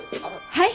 はい！？